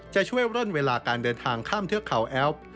จะช่วยร่อนเวลาการเดินทางข้ามเทือกเขาแอป